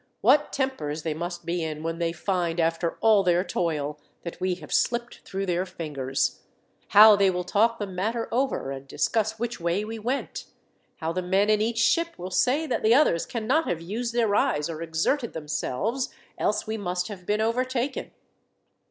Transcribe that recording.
What tempers they must be in when they find, after all their toil, that we have slipped through their fingers, How they will talk the matter over, and discuss which way we went. How the men in each ship will say that the others cannot have used their eyes or exerted themselves, else we must have been overtaken.